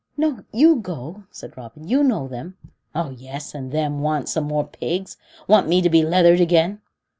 "No, you go," said Robin. "You know them." "Oh! yes, and them want some more pigs! Want me to be leathered again?"